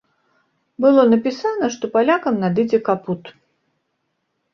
Было напісана, што палякам надыдзе капут.